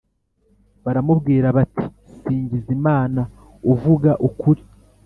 baramubwira bati singiza Imanag uvuga ukuri